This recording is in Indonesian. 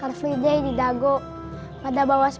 bapak pernah menemai apel ractor musim